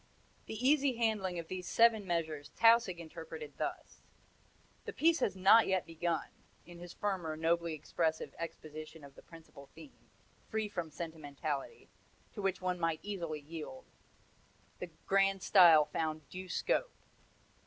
The easy handling of these seven measures Tausig interpreted thus: 'The piece has not yet begun;' in his firmer, nobly expressive exposition of the principal theme, free from sentimentality to which one might easily yield the grand style found due scope.